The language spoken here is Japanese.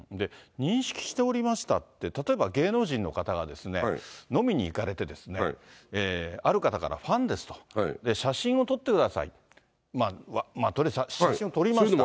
認識しておりましたって、例えば芸能人の方が、飲みに行かれて、ある方からファンですと、写真を撮ってくださいと、写真を撮りました。